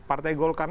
partai golkar ini